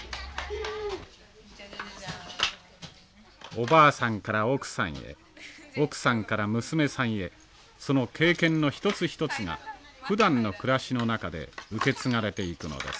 おばあさんから奥さんへ奥さんから娘さんへその経験の一つ一つがふだんの暮らしの中で受け継がれていくのです。